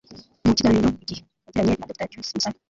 Mu kiganiro IGIHE yagiranye na Dr Joyce Musabe